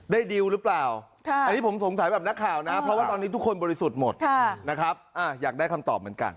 ดิวหรือเปล่าอันนี้ผมสงสัยแบบนักข่าวนะเพราะว่าตอนนี้ทุกคนบริสุทธิ์หมดนะครับอยากได้คำตอบเหมือนกัน